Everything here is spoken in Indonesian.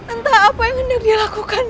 entah apa yang hendak dia lakukan